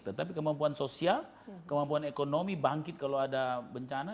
tetapi kemampuan sosial kemampuan ekonomi bangkit kalau ada bencana